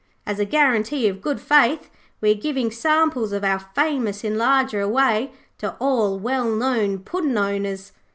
As a guarantee of good faith we are giving samples of our famous Enlarger away to all well known Puddin' owners.